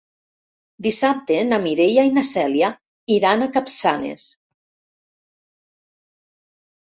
Dissabte na Mireia i na Cèlia iran a Capçanes.